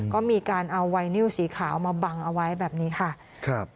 ก็มีการเอาไวนิวสีขาวมาบังเอาไว้แบบนี้ค่ะครับ